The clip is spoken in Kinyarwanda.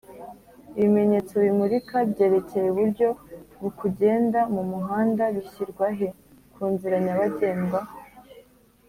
ibimenyetso bimurika byerekeye uburyo bukugenda mumuhanda bishyirwahe kunzira nyabagendwa